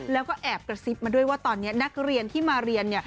แล้วก็แอบกระซิบมาด้วยว่าตอนนี้นักเรียนที่มาเรียน